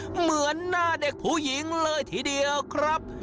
เหมือนหน้าเด็กผู้หญิงเลยทีเดียวครับ